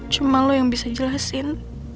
cuma lo yang bisa jelasin